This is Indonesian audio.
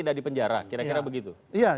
kira kira begitu